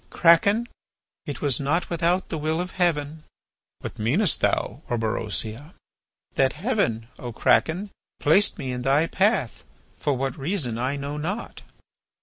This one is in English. "Kraken, it was not without the will of Heaven." "What meanest thou, Orberosia?" "That Heaven, O Kraken, placed me in thy path, for what reason I know not."